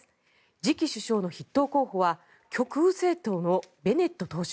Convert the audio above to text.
次期首相の筆頭候補は極右政党のベネット党首。